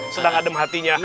sedang adem hatinya